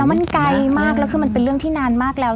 มันไกลมากแล้วคือมันเป็นเรื่องที่นานมากแล้ว